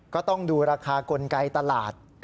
ก็ต้องดูราคากลไกตลาด